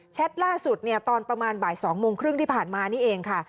ล่าสุดเนี่ยตอนประมาณบ่าย๒โมงครึ่งที่ผ่านมานี่เองค่ะ